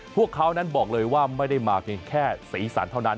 พวกเขานั้นบอกเลยว่าไม่ได้มาเพียงแค่สีสันเท่านั้น